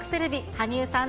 羽生さん